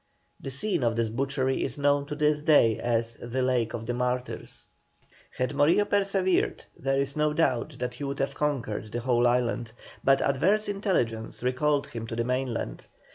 The scene of this butchery is known to this day as "The Lake of the Martyrs." Had Morillo persevered there is no doubt that he would have conquered the whole island, but adverse intelligence recalled him to the mainland.